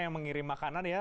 yang mengirim makanan ya